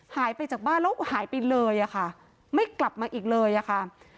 หายไปจากบ้านแล้วหายไปเลยอะค่ะไม่กลับมาอีกเลยอะค่ะ